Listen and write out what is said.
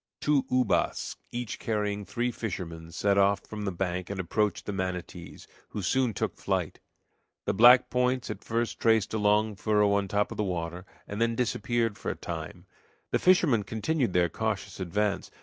Two ubas, each carrying three fishermen, set off from the bank and approached the manatees, who soon took flight. The black points at first traced a long furrow on the top of the water, and then disappeared for a time. The fishermen continued their cautious advance.